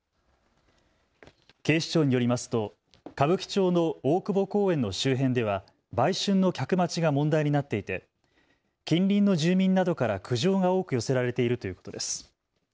警視庁によりますと歌舞伎町の大久保公園の周辺では売春の客待ちが問題になっていて近隣の住民などから苦情が多く寄せられているということです。